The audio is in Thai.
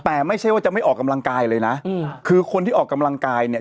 แต่ไม่ใช่ว่าจะไม่ออกกำลังกายเลยนะคือคนที่ออกกำลังกายเนี่ย